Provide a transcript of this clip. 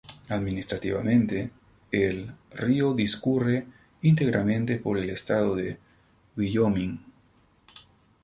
Administrativamente, el río discurre íntegramente por el estado de Wyoming.